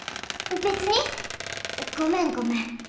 べつにごめんごめん。